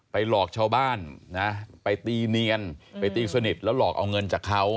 หลอกชาวบ้านนะไปตีเนียนไปตีสนิทแล้วหลอกเอาเงินจากเขา